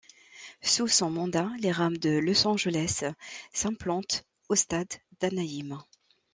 Sous son mandat, les Rams de Los Angeles s'implantent au stade d'Anaheim.